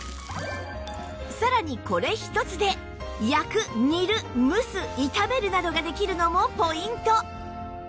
さらにこれ一つで焼く煮る蒸す炒めるなどができるのもポイント